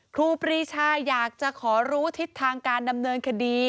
ครูปรีชาอยากจะขอรู้ทิศทางการดำเนินคดี